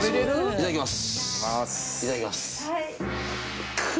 いただきます。